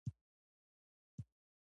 تاسو هره ورځ ځئ؟